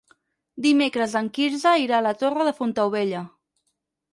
Dimecres en Quirze irà a la Torre de Fontaubella.